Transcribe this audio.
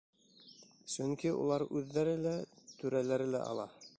Сөнки улар үҙҙәре лә, түрәләре лә ала.